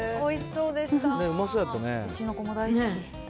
うちの子も大好き。